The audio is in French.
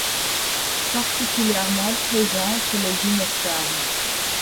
Particulièrement présents chez les Gymnospermes.